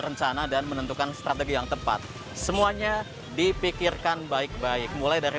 rencana dan menentukan strategi yang tepat semuanya dipikirkan baik baik mulai dari